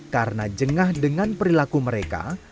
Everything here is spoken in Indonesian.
karena jengah dengan perilaku mereka